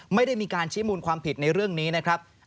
ไม่ได้มีการชี้มูลความผิดในเรื่องนี้นะครับ